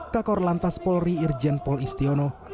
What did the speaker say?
kakor lantas polri irjen pol istiono